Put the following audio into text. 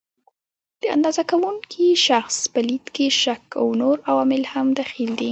د اندازه کوونکي شخص په لید کې شک او نور عوامل هم دخیل دي.